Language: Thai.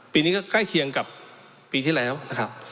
ปีนี้ก็ใกล้เคียงกับปีที่แล้วนะครับ